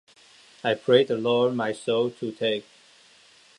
I pray the Lord my soul to take.